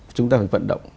chúng ta phải vận động